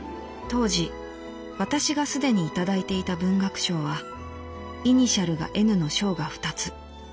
「当時私がすでにいただいていた文学賞はイニシャルがＮの賞が二つ。